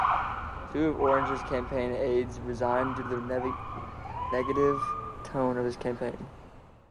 Two of Orange's campaign aides resigned due to the negative tone of his campaign.